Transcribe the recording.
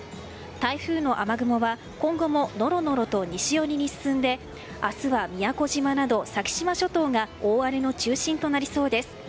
台風の雨雲は今後もノロノロと西寄りに進んで明日は宮古島など、先島諸島が大荒れの中心となりそうです。